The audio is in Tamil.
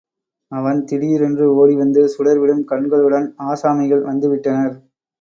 அவன் திடீரென்று ஓடிவந்து சுடர்விடும் கண்களுடன் ஆசாமிகள் வந்துவிட்டனர்.